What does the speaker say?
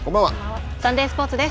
サンデースポーツです。